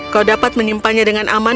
kau bisa menjaga ibu peri dengan keamanan